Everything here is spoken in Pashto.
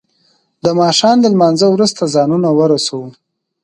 د ما ښام له لما نځه وروسته ځانونه ورسو.